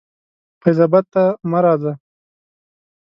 فیض آباد ته مه راځه.